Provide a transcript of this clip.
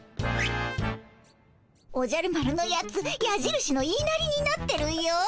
おじゃる丸のやつやじるしの言いなりになってるよ。